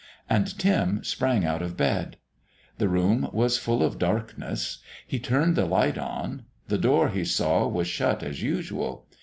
And Tim sprang out of bed. The room was full of darkness. He turned the light on. The door, he saw, was shut as usual.